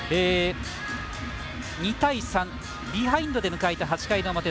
２対３、ビハインドで迎えた８回の表。